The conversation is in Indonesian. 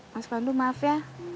mas pandu maaf ya